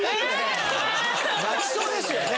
泣きそうですよね！